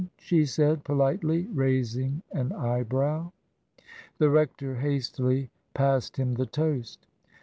said she, politely, raising an eyebrow. The rector hastily passed him the toast.